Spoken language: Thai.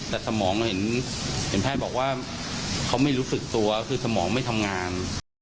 แต่สมองเราเห็นแพทย์บอกว่าเขาไม่รู้สึกตัวคือสมองไม่ทำงาน